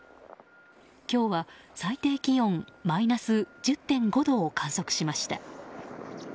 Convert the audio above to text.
今日は最低気温マイナス１０．５度を観測しました。